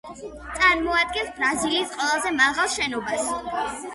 წარმოადგენს ბრაზილიის ყველაზე მაღალ შენობას.